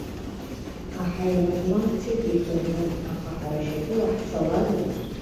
Аҳаирплан цеит иԥырны, аха ҳара шьапыла ҳцалароуп.